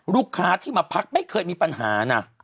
ลูกค้าที่มาพักไม่เคยมีปัญหานะ